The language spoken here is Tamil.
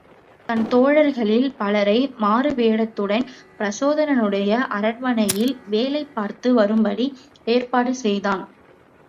தன் தோழர்களில் பலரை மாறு வேடத்துடன் பிரச்சோதனனுடைய அரண்மனையில் வேலை பார்த்து வரும்படி ஏற்பாடு செய்தான்.